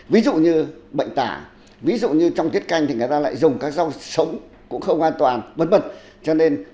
ví dụ như bệnh tả trong tiết canh người ta lại dùng các rau sống cũng không an toàn cho nên